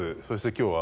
今日は。